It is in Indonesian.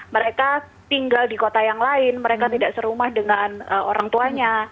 mereka tinggal di kota yang lain mereka tidak serumah dengan orang tuanya